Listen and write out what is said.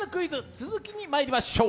続きにまいりましょう。